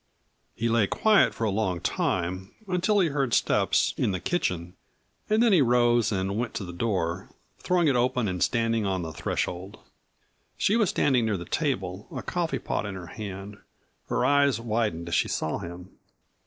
He lay quiet for a long time, until he heard steps in the kitchen, and then he rose and went to the door, throwing it open and standing on the threshold. She was standing near the table, a coffee pot in her hand. Her eyes widened as she saw him.